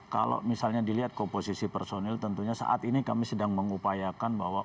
kalau misalnya dilihat komposisi personil tentunya saat ini kami sedang mengupayakan bahwa